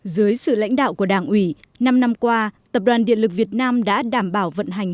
dưới sự lãnh đạo của đảng ủy năm năm qua tập đoàn điện lực việt nam đã đảm bảo vận hành